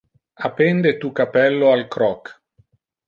Appende tu cappello al croc.